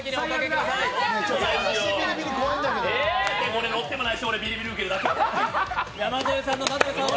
俺乗ってもないし俺ビリビリ受ける！